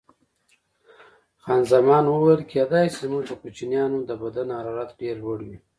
خان زمان وویل: کېدای شي، زموږ د کوچنیانو د بدن حرارت ډېر لوړ وي.